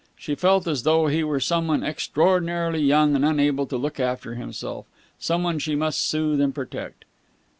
She felt as though he were someone extraordinarily young and unable to look after himself, someone she must soothe and protect.